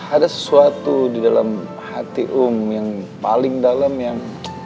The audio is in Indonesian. ada sesuatu di dalam hati um yang paling dalam yang